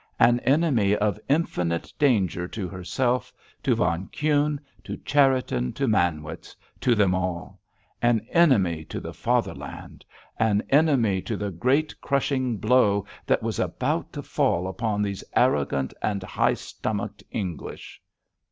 An enemy of infinite danger to herself, to von Kuhne, to Cherriton, to Manwitz—to them all. An enemy to the Fatherland! An enemy to the great, crushing blow that was about to fall upon those arrogant and high stomached English!